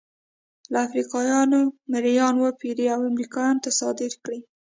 له افریقا مریان وپېري او امریکا ته صادر کړي.